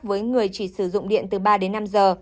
với người chỉ sử dụng điện từ ba đến năm giờ